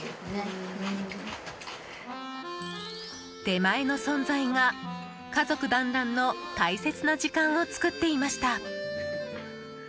出前の存在が、家族団らんの大切な時間を作っていました。